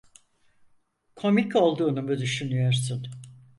Komik olduğunu mu düşünüyorsun?